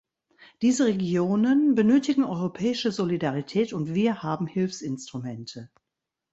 Diese Regionen benötigen europäische Solidarität, und wir haben Hilfsinstrumente.